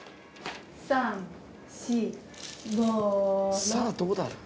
さあどうだ？